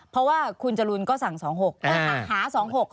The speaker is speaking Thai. เพราะว่าคุณจรุนก็สั่ง๒๖หา๒๖ของใคร